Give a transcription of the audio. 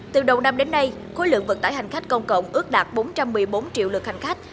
từ đầu năm đến nay khối lượng vận tải hành khách công cộng ước đạt bốn trăm một mươi bốn triệu lượt hành khách